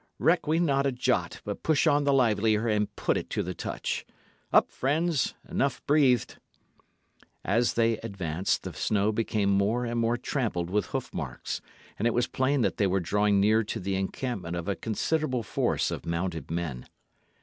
Reck we not a jot, but push on the livelier, and put it to the touch. Up, friends enough breathed." As they advanced, the snow became more and more trampled with hoof marks, and it was plain that they were drawing near to the encampment of a considerable force of mounted men.